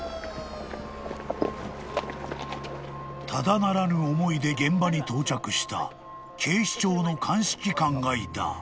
［ただならぬ思いで現場に到着した警視庁の鑑識官がいた］